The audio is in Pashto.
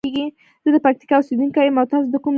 زه د پکتیکا اوسیدونکی یم او تاسو د کوم ځاي؟